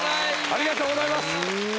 ありがとうございます。